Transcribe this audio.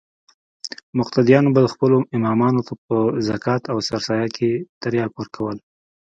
مقتديانو به خپلو امامانو ته په زکات او سرسايه کښې ترياک ورکول.